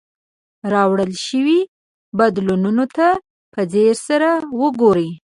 راوړل شوي بدلونونو ته په ځیر سره وګورئ.